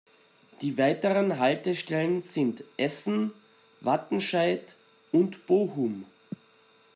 Die weiteren Haltestellen sind Essen, Wattenscheid und Bochum.